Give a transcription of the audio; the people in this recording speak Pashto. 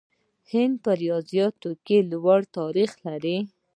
هند په ریاضیاتو کې لوی تاریخ لري.